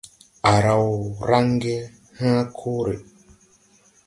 À raw range hãã kore.